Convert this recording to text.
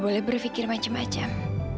kamu boleh berpikir macem macem